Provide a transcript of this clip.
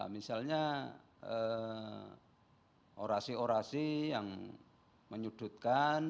misalnya orasi orasi yang menyudutkan